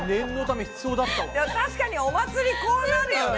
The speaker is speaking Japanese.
確かにお祭りこうなるよね！